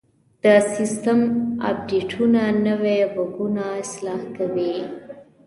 د سیسټم اپډیټونه نوي بګونه اصلاح کوي.